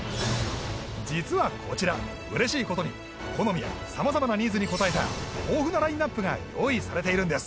実はこちら嬉しいことに好みや様々なニーズに応えた豊富なラインナップが用意されているんです